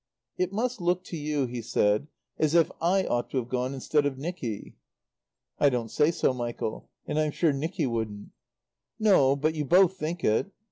"It must look to you," he said, "as if I ought to have gone instead of Nicky." "I don't say so, Michael. And I'm sure Nicky wouldn't." "No, but you both think it.